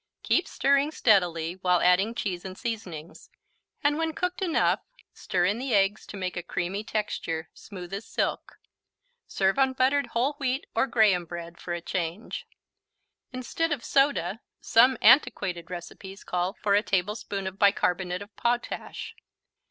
Keep stirring steadily while adding cheese and seasonings, and when cooked enough, stir in the eggs to make a creamy texture, smooth as silk. Serve on buttered whole wheat or graham bread for a change. Instead of soda, some antiquated recipes call for "a tablespoon of bicarbonate of potash."